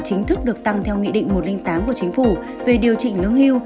chính thức được tăng theo nghị định một trăm linh tám của chính phủ về điều chỉnh lương hưu